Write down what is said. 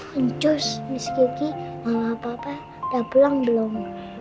anjus miski miki mama papa udah pulang belum